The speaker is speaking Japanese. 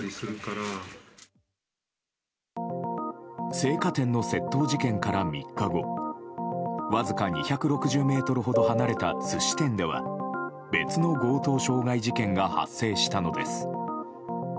青果店の窃盗事件から３日後わずか２６０ｍほど離れた寿司店では別の強盗傷害事件が発生したのです。